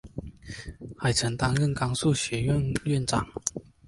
还曾任甘肃学院院长。